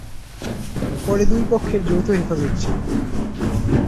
পরে দুই পক্ষের যৌথ হেফাজত ছিল।